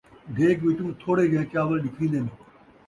دیڳ وچوں تھوڑے جیہیں چاول ݙکھین٘دن